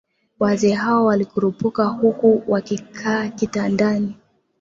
Wazee hao walikurupuka huku wakikaa kitandani